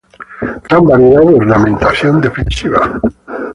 Gran variedad de ornamentación defensiva.